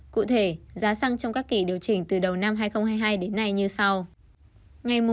cụ thể giá xăng trong các kỳ điều chỉnh từ đầu năm hai nghìn hai mươi hai đến nay như sau